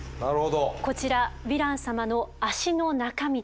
こちらヴィラン様の足の中身でございます。